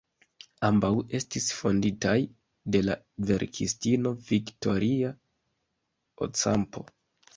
Ambaŭ estis fonditaj de la verkistino Victoria Ocampo.